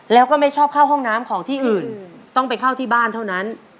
แล้วก็ไม่ชอบเข้าห้องน้ำของที่อื่นต้องไปเข้าที่บ้านเท่านั้น